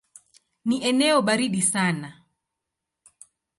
Ni eneo baridi sana.